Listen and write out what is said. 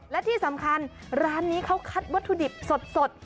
และที่สำคัญร้านนี้เขาคัดวัตถุดิบสด